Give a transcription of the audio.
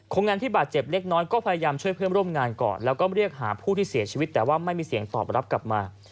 คนงานที่บาดเจ็บเล็กน้อยก็พยายามช่วยเพื่อนร่วมงานก่อนแล้วก็เรียกหาผู้ที่เสียชีวิตแต่ว่าไม่มีเสียงตอบรับกลับมา